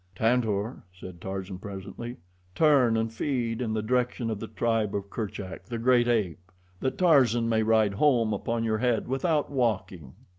"Tantor," said Tarzan presently, "turn and feed in the direction of the tribe of Kerchak, the great ape, that Tarzan may ride home upon your head without walking."